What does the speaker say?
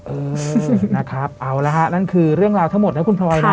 เออนะครับเอาละฮะนั่นคือเรื่องราวทั้งหมดนะคุณพลอยนะ